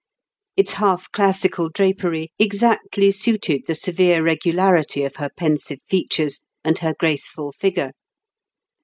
Its half classical drapery exactly suited the severe regularity of her pensive features and her graceful figure.